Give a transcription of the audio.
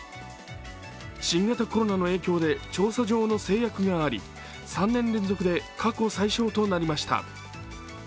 新型コロナの影響で調査上の制約があり、３年連続で過去最少となりました。